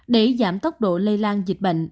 để giảm tốc độ lây lan dịch bệnh